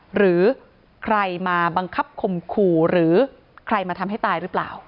หรือใครมาบังคับข่มขู่หรือใครมาทำให้ตายหรือเปล่า